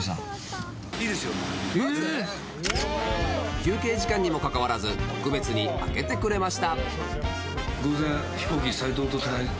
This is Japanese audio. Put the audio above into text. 休憩時間にもかかわらず特別に開けてくれました。